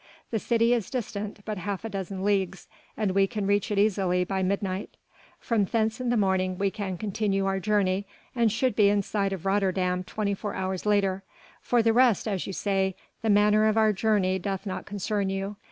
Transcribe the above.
The city is distant but half a dozen leagues, and we can reach it easily by midnight. From thence in the morning we can continue our journey, and should be in sight of Rotterdam twenty four hours later. For the rest, as you say, the manner of our journey doth not concern you.